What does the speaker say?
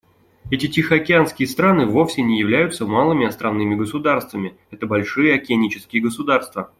Эти тихоокеанские страны вовсе не являются «малыми островными государствами»: это большие океанические государства.